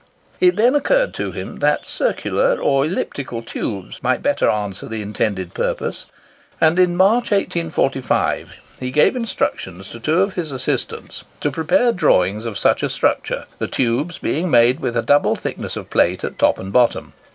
It then occurred to him that circular or elliptical tubes might better answer the intended purpose; and in March, 1845, he gave instructions to two of his assistants to prepare drawings of such a structure, the tubes being made with a double thickness of plate at top and bottom.